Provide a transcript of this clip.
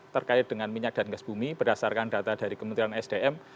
terkait dengan minyak dan gas bumi berdasarkan data dari kementerian sdm